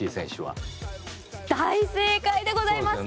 大正解でございます！